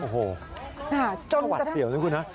โอ้โฮประวัติเสี่ยวนะคุณฮะ